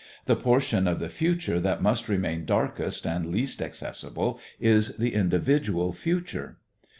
The portion of the future that must remain darkest and least accessible is the individual future.